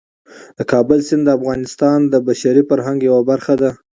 د کابل سیند د افغانستان د بشري فرهنګ یوه برخه ده.